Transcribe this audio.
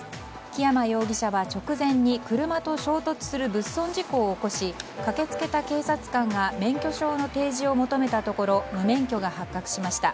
木山容疑者は直前に車と衝突する物損事故を起こし駆けつけた警察官が免許証の提示を求めたところ無免許が発覚しました。